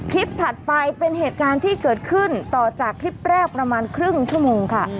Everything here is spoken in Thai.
ถัดไปเป็นเหตุการณ์ที่เกิดขึ้นต่อจากคลิปแรกประมาณครึ่งชั่วโมงค่ะ